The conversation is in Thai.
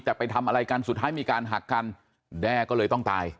ไปทำอะไรกันสุดท้ายมีการหักกันแด้ก็เลยต้องตาย